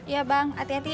iya bang hati hati ya